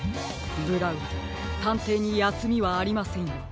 ブラウンたんていにやすみはありませんよ。